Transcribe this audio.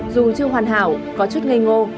dù chưa hoàn hảo có chút ngây ngô